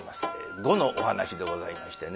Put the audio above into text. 碁のお噺でございましてね。